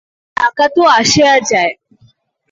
টাকা তো আসে আর যায়।